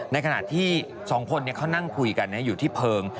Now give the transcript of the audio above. ในขณะที่สองคนเขานั่งคุยกันอยู่ที่เพลิง